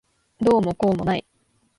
どうもこうもない。